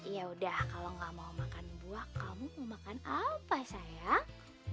ya udah kalau gak mau makan buah kamu mau makan apa sayang